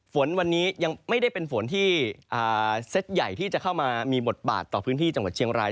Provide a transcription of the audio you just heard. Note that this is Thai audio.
ฝนวันนี้ยังไม่ได้เป็นฝนที่เซตใหญ่ที่จะเข้ามามีบทบาทต่อพื้นที่จังหวัดเชียงราย